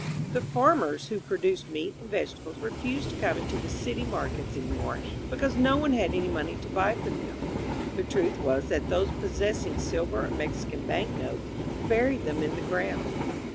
The farmers who produced meat and vegetables refused to come into the city mar kets any more because no one had any money to buy from them. The truth was that those possessing sil ver or Mexican bank notes buried them in the ground.